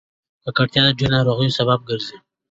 ککړتیا د ډېرو ناروغیو سبب ګرځي.